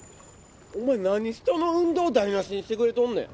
お前なに人の運動台なしにしてくれとんねん！